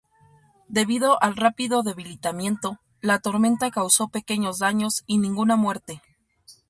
Debido al rápido debilitamiento, la tormenta causó pequeños daños y ninguna muerte.